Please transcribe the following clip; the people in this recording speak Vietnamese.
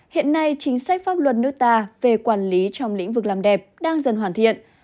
hiện nay chính sách pháp luật nước ta về quản lý trong lĩnh vực làm đẹp đang dần hoàn thiện